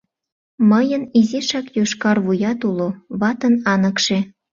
Мыйын изишак йошкар вуят уло, ватын аныкше.